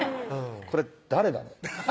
「これ誰だ？」